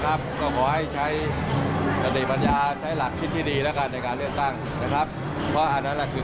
วันนี้ก็หลายภาคออกมาแจกแล้วในช่วงบ่ายเป็นอย่างไร